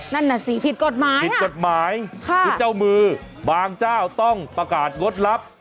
นั่นน่ะสิผิดกฎหมายผิดกฎหมายคือเจ้ามือบางเจ้าต้องประกาศงดรับ